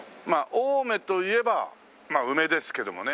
青梅といえば梅ですけどもね。